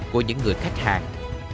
của những người khách hàng